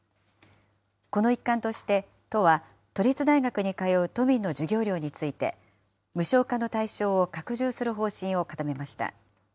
この一環として、都は都立大学に通う都民の授業料について、無償化の対象を拡充する方針を固めました。